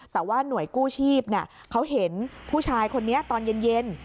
แต่ว่าหน่วยกู้ชีพเขาเห็นผู้ชายคนนี้ตอนเย็น